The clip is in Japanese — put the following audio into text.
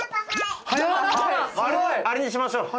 あれにしましょう。